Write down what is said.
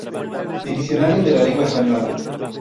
Diccionario de la Lengua Española.